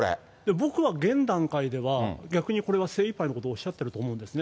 僕は現段階では逆にこれは精いっぱいのことをおっしゃってると思うんですよね。